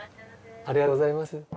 ありがとうございます。